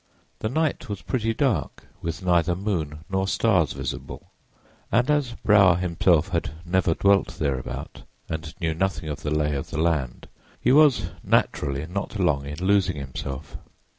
The night was pretty dark, with neither moon nor stars visible, and as Brower had never dwelt thereabout, and knew nothing of the lay of the land, he was, naturally, not long in losing himself.